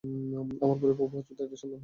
আমার পরিবার বহুবছর ধরে এটার সন্ধানে রয়েছে।